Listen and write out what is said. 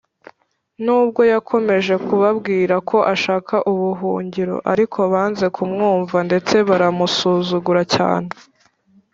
N’ubwo yakomeje kubabwira ko ashaka ubuhungiro ariko banze kumwumva ndetse baramusuzugura cyane,